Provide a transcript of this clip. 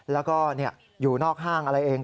แล้วก็อยู่นอกห้างอะไรเอง